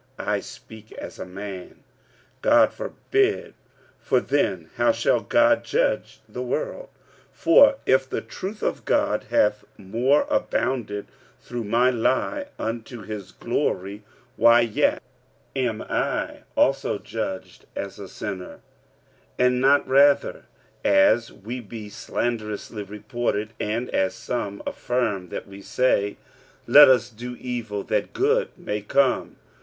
(I speak as a man) 45:003:006 God forbid: for then how shall God judge the world? 45:003:007 For if the truth of God hath more abounded through my lie unto his glory; why yet am I also judged as a sinner? 45:003:008 And not rather, (as we be slanderously reported, and as some affirm that we say,) Let us do evil, that good may come?